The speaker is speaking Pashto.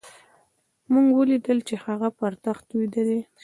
موږ وليدل چې هغه پر تخت ويده دی.